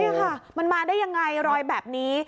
นี่ค่ะมันมาได้ยังไงรอยแบบนี้